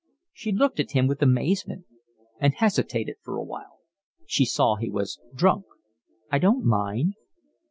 She looked at him with amazement, and hesitated for a while. She saw he was drunk. "I don't mind."